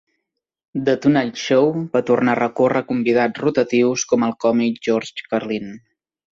"The Tonight Show" va tornar a recórrer a convidats rotatius com el còmic George Carlin.